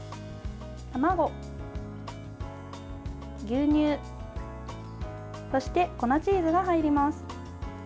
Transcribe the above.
卵、牛乳そして、粉チーズが入ります。